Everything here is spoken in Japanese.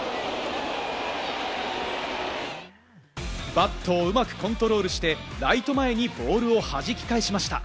バットをうまくコントロールして、ライト前にボールを弾き返しました。